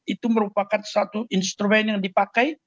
itu merupakan satu instrumen yang dipakai